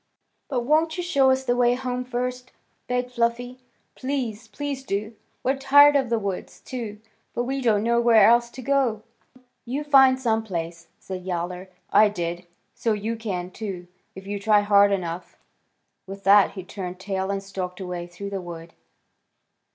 "But won't you show us the way home first?" begged Fluffy. "Please, please do. We're tired of the woods, too, but we don't know where else to go." "Well, you find some place," said Yowler. "I did, so you can, too, if you try hard enough." With that he turned tail and stalked away through the wood.